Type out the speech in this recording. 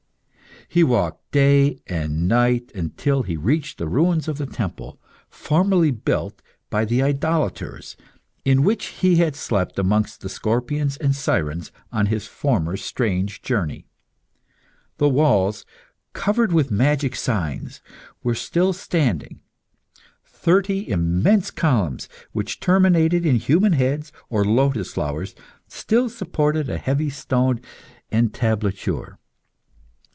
He walked day and night until he reached the ruins of the temple, formerly built by the idolaters, in which he had slept amongst the scorpions and sirens on his former strange journey. The walls, covered with magic signs, were still standing. Thirty immense columns, which terminated in human heads or lotus flowers, still supported a heavy stone entablature.